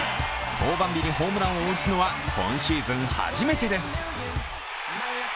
登板日にホームランを打つのは今シーズン初めてです。